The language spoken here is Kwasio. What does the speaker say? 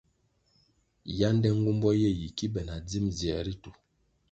Yánde nğumbo ye yi ki be na dzim dzier ritu.